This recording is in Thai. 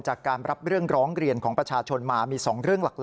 จากการรับเรื่องร้องเรียนของประชาชนมามี๒เรื่องหลัก